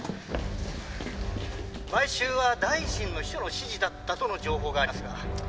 「買収は大臣の秘書の指示だったとの情報がありますが」